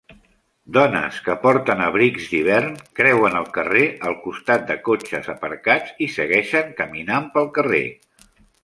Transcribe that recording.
Dones que porten abrics d'hivern creuen el carrer al costat de cotxes aparcats i segueixen caminant pel carrer